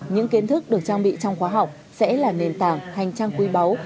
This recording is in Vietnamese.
những kiến thức được trang bị trong khóa học sẽ là nền tảng hành trang quý báu